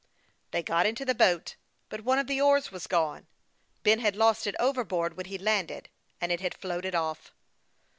They got into the boat ; but one of the oars v\ us gone. Ben had lost it overboard when he landed, and it had floated off.